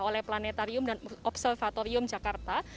oleh planetarium dan observatorium jakarta